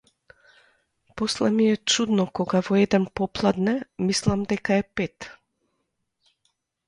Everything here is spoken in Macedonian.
После ми е чудно кога во еден попладне мислам дека е пет.